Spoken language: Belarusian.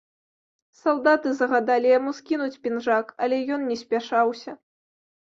Салдаты загадалі яму скінуць пінжак, але ён не спяшаўся.